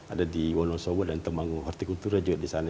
ada di wonosowo dan temanggung horticultura juga di sana